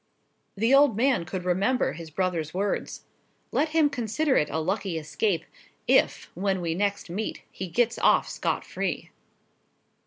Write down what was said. The old man could remember his brother's words: "Let him consider it a lucky escape, if, when we next meet, he gets off scot free!"